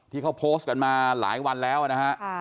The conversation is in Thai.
ที่เขาโพสต์กันมาหลายวันแล้วนะฮะ